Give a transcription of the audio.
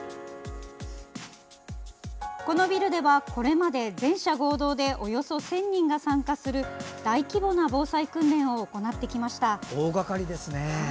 このビルではこれまで全社合同でおよそ１０００人が参加する大規模な防災訓練を行ってきました。